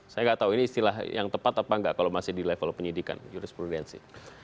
saya nggak tahu ini istilah yang tepat apa enggak kalau masih di level penyidikan jurisprudensi